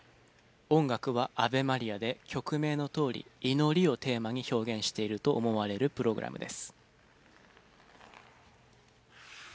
音楽は『アヴェ・マリア』で曲名のとおり祈りをテーマに表現していると思われるプログラムです。